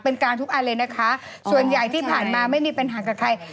การทุกอันเลยนะคะส่วนใหญ่ที่ผ่านมาไม่มีปัญหากับใคร